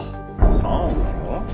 ３億だろ？